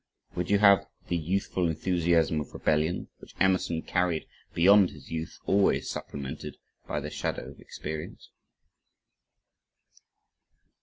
Would you have the youthful enthusiasm of rebellion, which Emerson carried beyond his youth always supplemented by the shadow of experience?